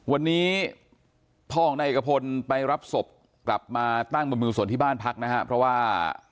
วันนี้พ่อของนายเอกพลไปรับศพกลับมาตั้งบำมือส่วนที่บ้านพักนะฮะเพราะว่า